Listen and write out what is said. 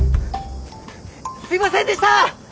すいませんでした！